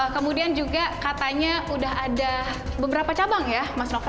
kemudian juga katanya sudah ada beberapa cabang ya mas roko